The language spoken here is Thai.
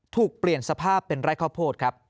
เปลี่ยนสภาพเป็นไร่ข้าวโพดครับ